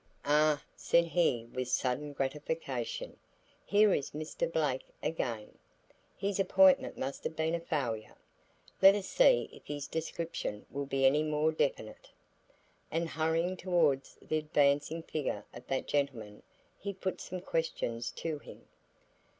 Ah!" said he with sudden gratification, "here is Mr. Blake again; his appointment must have been a failure. Let us see if his description will be any more definite." And hurrying towards the advancing figure of that gentleman, he put some questions to him.